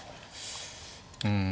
うん。